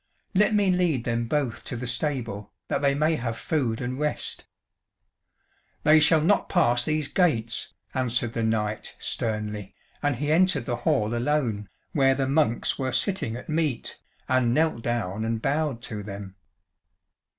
Let me lead them both to the stable, that they may have food and rest." "They shall not pass these gates," answered the knight, sternly, and he entered the hall alone, where the monks were sitting at meat, and knelt down and bowed to them.